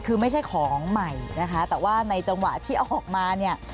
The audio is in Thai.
คือไม่ใช่ของใหม่นะคะแต่ว่าในจังหวะที่เอาออกมาเนี่ย